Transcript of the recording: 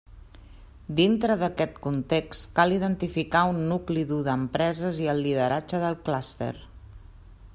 Dintre d'aquest context, cal identificar un nucli dur d'empreses i el lideratge del clúster.